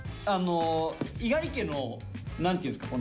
猪狩家の何ていうんですか。